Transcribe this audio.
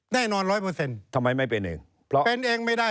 แน่นอน๑๐๐ทำไมไม่เป็นเองเป็นเองไม่ได้